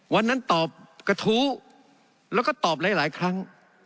วันนั้นตอบกระทู้แล้วก็ตอบหลายครั้ง